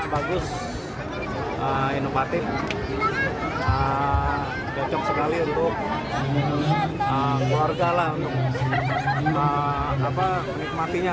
bagus inovatif cocok sekali untuk keluarga lah untuk menikmatinya